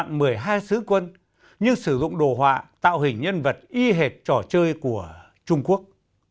khiến loạn một mươi hai sứ quân nhưng sử dụng đồ họa tạo hình nhân vật y hệt trò chơi của trung quốc